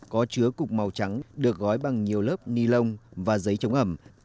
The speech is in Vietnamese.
có chứa cục màu trắng được gói bằng nhiều lớp ni lông và giấy chống ẩm